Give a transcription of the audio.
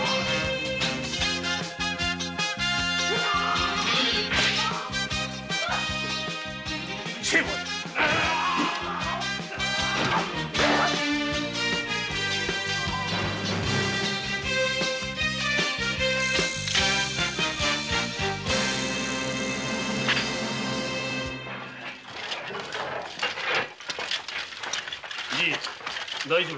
はい。